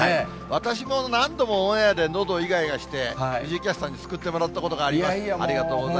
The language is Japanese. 私も何度もオンエアで何度もいがいがして、藤井キャスターに救ってもらったことがあります、ありがとうございます。